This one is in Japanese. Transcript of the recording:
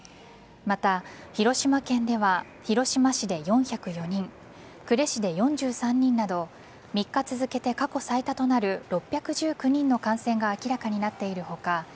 また、広島県では広島市で４０４人呉市で４３人など３日続けて過去最多となる６１９人の感染が明らかになっている他